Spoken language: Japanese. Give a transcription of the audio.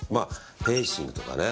フェンシングとかね